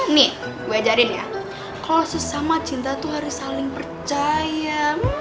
nih gue ajarin ya kalau sesama cinta tuh harus saling percaya